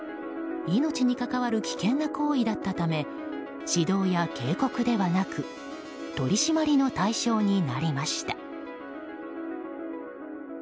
命に関わる危険な行為だったため指導や警告ではなく取り締まりの対象になりました。